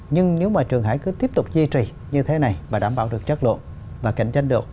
nhưng nếu mà trường hải cứ tiếp tục duy trì như thế này và đảm bảo được chất lượng và cạnh tranh được